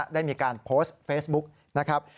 ได้มีการโพสต์เฟซบุ๊กนะครับ